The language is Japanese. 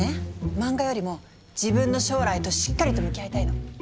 漫画よりも自分の将来としっかりと向き合いたいの。